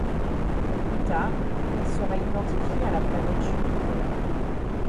Plus tard, il sera identifié à la planète Jupiter.